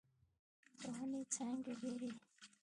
د ونې څانګې ډيرې دې.